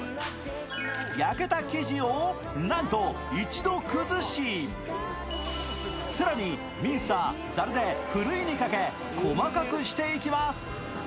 焼けた生地を、なんと一度、崩し更にミンサー、ざるでふるいにかけ細かくしていきます。